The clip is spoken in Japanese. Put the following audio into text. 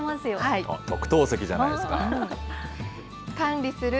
特等席じゃないですか。